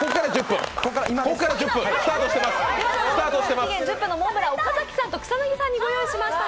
１０分モンブラン、岡崎さんと草なぎさんに御用意いたしました。